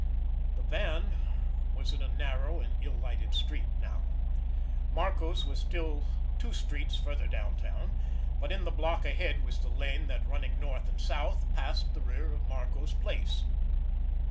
The van was in a narrow and ill lighted street now. Marco's was still two streets further downtown, but in the block ahead was the lane that, running north and south, passed the rear of Marco's place.